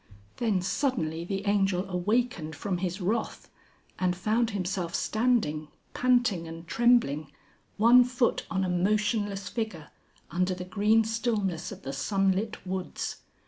Then suddenly the Angel awakened from his wrath, and found himself standing, panting and trembling, one foot on a motionless figure, under the green stillness of the sunlit woods.